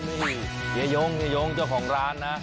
นี่ไหยงเจ้าของร้านนะ